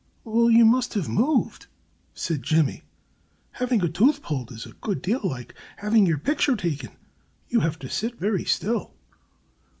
"Well, you must have moved," said Jimmy. "Having a tooth pulled is a good deal like having your picture taken. You have to sit very still."